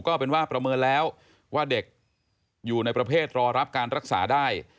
ก็เป็นว่าประเมินแล้วว่าเด็กอยู่ในประเภทรอรับการรักษาได้